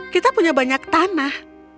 kita punya banyak tanah